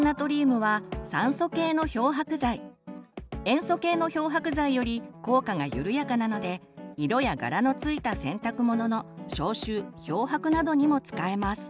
塩素系の漂白剤より効果が緩やかなので色や柄のついた洗濯物の消臭漂白などにも使えます。